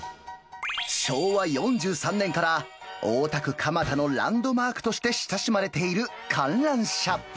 昭和４３年から大田区蒲田のランドマークとして親しまれている観覧車。